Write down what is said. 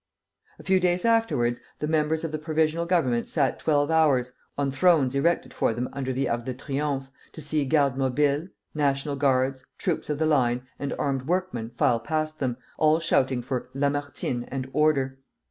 A few days afterwards the members of the Provisional Government sat twelve hours, on thrones erected for them under the Arch of Triumph, to see Gardes Mobiles, National Guards, troops of the line, and armed workmen, file past them, all shouting for Lamartine and Order!